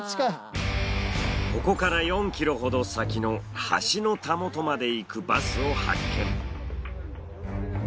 ここから４ｋｍほど先の橋のたもとまで行くバスを発見。